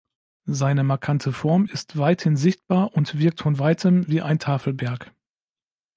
Seine markante Form ist weithin sichtbar und wirkt von weitem wie ein Tafelberg.